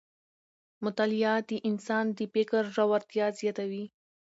مطالعه د انسان د فکر ژورتیا زیاتوي